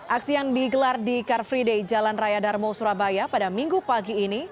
aksi yang digelar di car free day jalan raya darmo surabaya pada minggu pagi ini